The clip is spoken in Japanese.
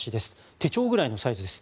手帳ぐらいのサイズです。